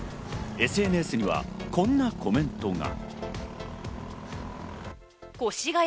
ＳＮＳにはこんなコメントが。